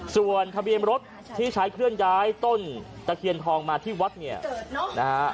ส่วนทะเบียนรถที่ใช้เคลื่อนย้ายต้นตะเคียนทองมาที่วัดเนี่ยนะฮะ